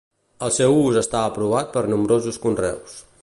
El seu ús està aprovat per a nombrosos conreus.